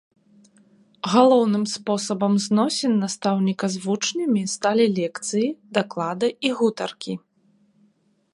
Галоўным спосабам зносін настаўніка з вучнямі сталі лекцыі, даклады і гутаркі.